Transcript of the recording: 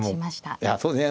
いやそうですね。